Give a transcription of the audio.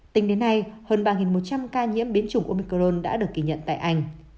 tính đến nay hơn ba một trăm linh ca nhiễm biến chủng omicron đã được kỳ nhận tại anh